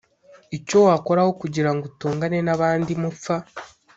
Icyo wakora Aho kugira ngo utongane n abandi mupfa